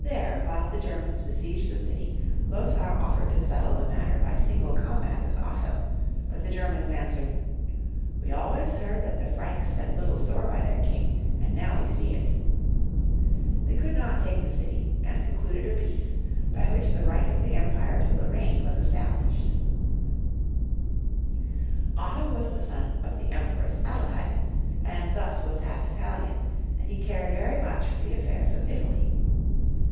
There, while the Germans besieged the city, Lothar offered to settle the matter by a single combat Avith Otto, but the Germans answered, " We always heard that the Franks set little store by their King, and now we see it." They could not take the city, and concluded a peace, by which the right of the em pire to Lorraine was established. Otto II., the Red. 97 Otto was the son of the Empress Adelheid, and thus was half Italian, and he eared very much for the affairs of Italy.